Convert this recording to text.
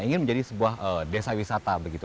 ingin menjadi sebuah desa wisata begitu